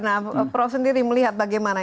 nah prof sendiri melihat bagaimana